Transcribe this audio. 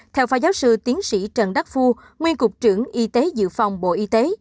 theo phó giáo sư tiến sĩ trần đắc phu nguyên cục trưởng y tế dự phòng bộ y tế